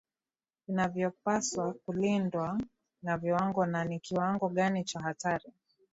vinavyopaswa kulindwa na viwango na ni kiwango gani cha hatari